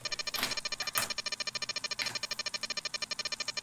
Si tú me dices ven, lo dejo todo